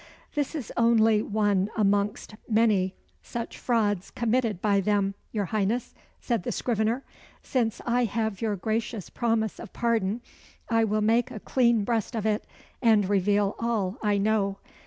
"This is only one amongst many such frauds committed by them, your Highness," said the scrivener. "Since I have your gracious promise of pardon, I will make a clean breast of it, and reveal all I know.